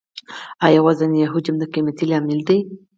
آیا وزن یا حجم د قیمتۍ لامل دی؟